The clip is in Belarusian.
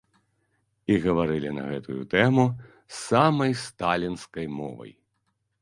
І гаварылі на гэтую тэму самай сталінскай мовай.